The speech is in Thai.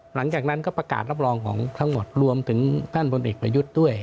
หลังจากนั้นก็ประกาศรับรองของทั้งหมดรวมถึงท่านบนเอกประยุทธ์ด้วย